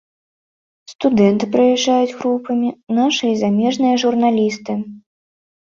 Студэнты прыязджаюць групамі, нашы і замежныя журналісты.